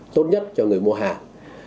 tốt nhất cho người mua hàng